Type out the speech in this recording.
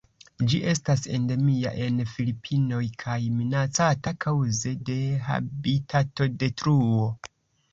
Ĝi estas endemia en Filipinoj kaj minacata kaŭze de habitatodetruo.